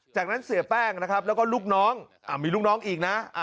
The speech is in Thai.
จากนั้นเสียแป้งนะครับแล้วก็ลูกน้องมีลูกน้องอีกนะ